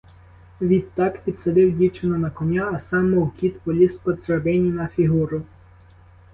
Відтак підсадив дівчину на коня, а сам, мов кіт, поліз по драбині на фігуру.